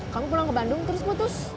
kamu pulang ke bandung terus putus